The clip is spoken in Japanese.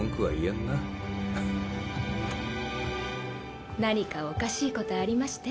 ガチャ何かおかしいことありまして？